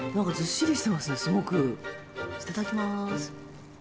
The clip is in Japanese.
いただきます。